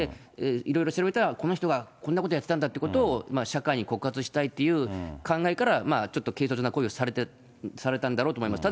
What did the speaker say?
いろいろ調べたら、この人はこんなことやってたんだってことを社会に告発したいっていう考えから、ちょっと軽率な行為をされたんだろうと思います。